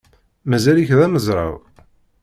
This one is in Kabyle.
Mazal-ik d amezraw?